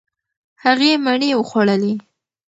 هغې مڼې وخوړلې.